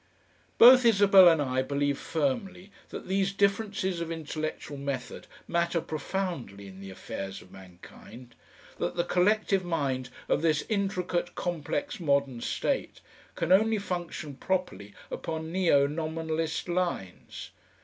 Both Isabel and I believe firmly that these differences of intellectual method matter profoundly in the affairs of mankind, that the collective mind of this intricate complex modern state can only function properly upon neo Nominalist lines.